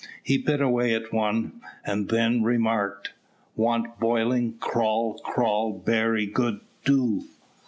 He bit away at one, and then remarked "Want boiling; crawl, crawl; berry good do."